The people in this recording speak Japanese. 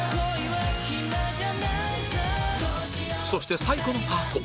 そして最後のパート